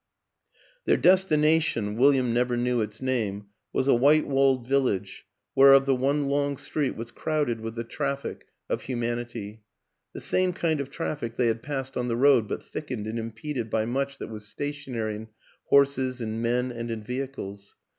Their destination William never knew its name was a white walled village, whereof the one long street was crowded with the traffic of 160 WILLIAM AN ENGLISHMAN humanity; the same kind of traffic they had passed on the road, but thickened and impeded by much that was stationary in horses, in men and in vehicles.